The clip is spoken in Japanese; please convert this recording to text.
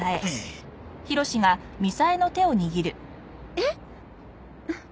えっ？